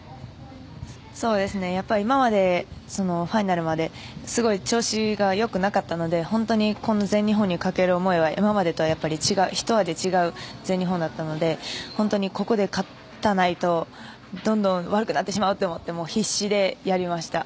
今までファイナルまですごく調子が良くなかったのでこの全日本にかける思いは今までとはひと味違う全日本だったのでここで勝たないとどんどん悪くなってしまうと思って必死でやりました。